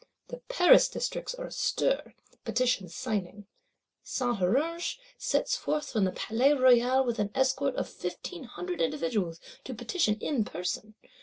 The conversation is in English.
The Paris Districts are astir; Petitions signing: Saint Huruge sets forth from the Palais Royal, with an escort of fifteen hundred individuals, to petition in person.